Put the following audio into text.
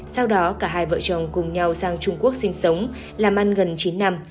sau đó cả hai vợ chồng cùng nhau sang trung quốc sinh sống làm ăn gần chín năm